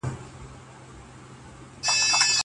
جانان ته تر منزله رسېدل خو تکل غواړي-